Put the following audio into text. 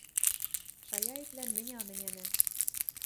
– Шаяэтлӓн мӹнь ам ӹнянӹ.